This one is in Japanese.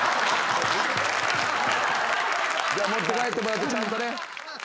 持って帰ってもらってちゃんとね。